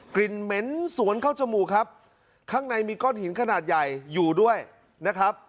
เหม็นสวนเข้าจมูกครับข้างในมีก้อนหินขนาดใหญ่อยู่ด้วยนะครับ